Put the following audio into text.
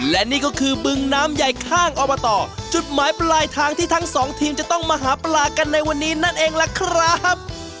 และนี่ก็คือบึงน้ำใหญ่ข้างอบตจุดหมายปลายทางที่ทั้งสองทีมจะต้องมาหาปลากันในวันนี้นั่นเองล่ะครับ